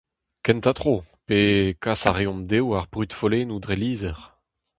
Kentañ tro, pe kas a reomp dezho ar brudfollennoù dre lizher.